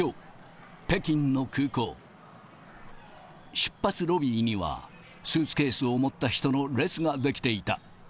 出発ロビーには、スーツケースを持った人の列が出来ていた。